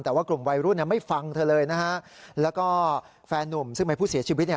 แต่ว่ากลุ่มวัยรุ่นไม่ฟังเธอเลยนะฮะแล้วก็แฟนนุ่มซึ่งเป็นผู้เสียชีวิตเนี่ย